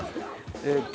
えっと。